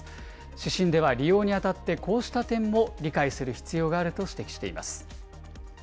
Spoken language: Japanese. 指針では、利用にあたってこうした点も理解する必要があると指摘しています。